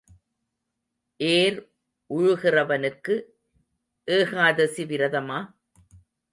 ஏர் உழுகிறவனுக்கு ஏகாதசி விரதமா?